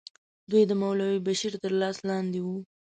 دوی د مولوي بشیر تر لاس لاندې وو.